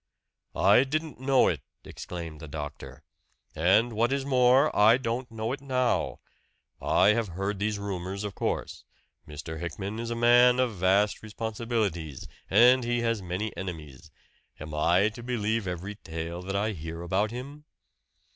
"I didn't know it!" exclaimed the doctor. "And what is more, I don't know it now! I have heard these rumors, of course. Mr. Hickman is a man of vast responsibilities, and he has many enemies. Am I to believe every tale that I hear about him?"